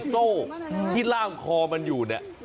โซ่ที่ล่ามคอมันอยู่เนี่ย